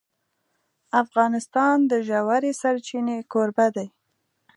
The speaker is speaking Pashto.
افغانستان د ژورې سرچینې کوربه دی.